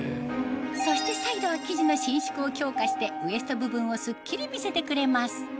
そしてサイドは生地の伸縮を強化してウエスト部分をスッキリ見せてくれます